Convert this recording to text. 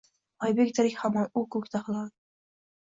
Oybek tirik hamon, u ko’kda hilol